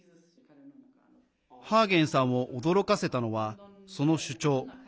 ハーゲンさんを驚かせたのはその主張。